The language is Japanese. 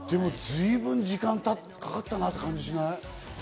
随分時間かかったなって感じしない？